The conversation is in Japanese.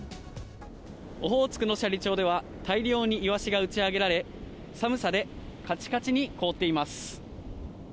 オホーツクの斜里町では、大量にイワシが打ち上げられ、寒さでかちかちに凍っています。